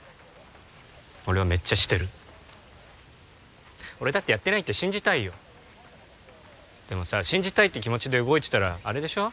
俺はめっちゃしてる俺だってやってないって信じたいよでもさ信じたいって気持ちで動いてたらアレでしょ？